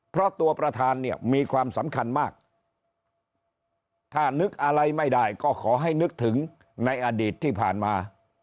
เพราะตัวประธานเนี่ยมีความสำคัญมากถ้านึกอะไรไม่ได้ก็ขอให้นึกถึงในอดีตที่ผ่านมา